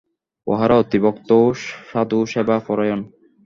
ইঁহারা অতি ভক্ত ও সাধুসেবাপরায়ণ।